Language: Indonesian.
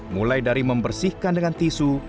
mulai dari membersihkan dengan tisu